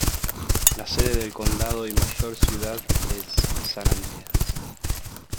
La sede del condado y mayor ciudad es San Andreas.